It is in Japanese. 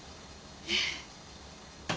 ええ。